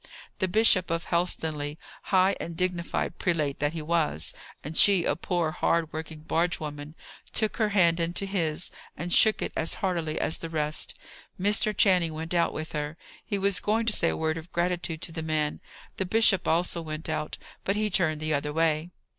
The Bishop of Helstonleigh, high and dignified prelate that he was, and she a poor, hard working barge woman, took her hand into his, and shook it as heartily as the rest. Mr. Channing went out with her. He was going to say a word of gratitude to the man. The bishop also went out, but he turned the other way.